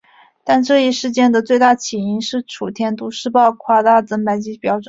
但这一事件的直接起因是楚天都市报夸大增白剂标准。